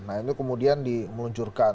nah itu kemudian dimeluncurkan